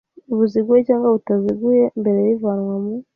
buziguye cyangwa butaziguye mbere y ivanwa mu